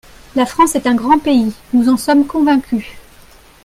La France est un grand pays, nous en sommes convaincus.